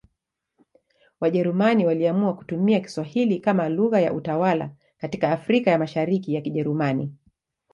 Wajerumani waliamua kutumia Kiswahili kama lugha ya utawala katika Afrika ya Mashariki ya Kijerumani.